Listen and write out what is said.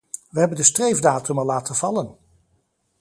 We hebben de streefdatum al laten vallen.